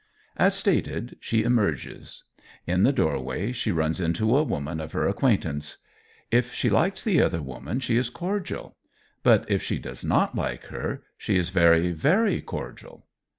As stated, she emerges. In the doorway she runs into a woman of her acquaintance. If she likes the other woman she is cordial. But if she does not like her she is very, very cordial.